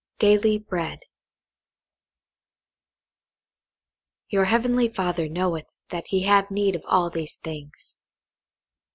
DAILY BREAD "Your heavenly Father knoweth that ye have need of all these things."